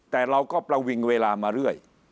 แต่เราก็ประวิงเวลามาเรื่อย